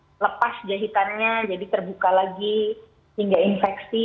jadi lepas jahitannya jadi terbuka lagi hingga infeksi